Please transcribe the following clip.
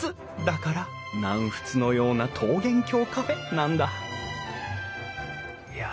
だから「南仏のような桃源郷カフェ」なんだいや